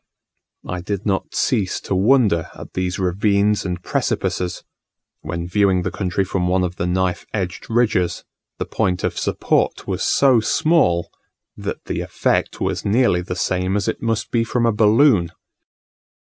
I did not cease to wonder at these ravines and precipices: when viewing the country from one of the knife edged ridges, the point of support was so small, that the effect was nearly the same as it must be from a balloon.